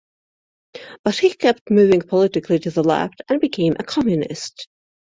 But he kept moving politically to the left and became a Communist.